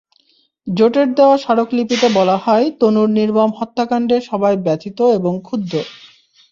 জোটের দেওয়া স্মারকলিপিতে বলা হয়, তনুর নির্মম হত্যাকাণ্ডে সবাই ব্যথিত এবং ক্ষুব্ধ।